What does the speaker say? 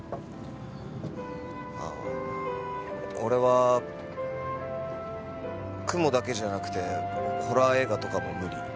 ああ俺はクモだけじゃなくてホラー映画とかも無理。